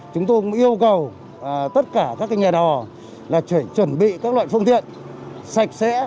chúng tôi yêu cầu tất cả các nhà đò chuẩn bị các loại phương tiện sạch sẽ